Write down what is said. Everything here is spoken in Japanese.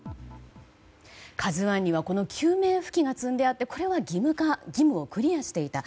「ＫＡＺＵ１」には救命浮器が積んであってこれは義務化で義務をクリアしていた。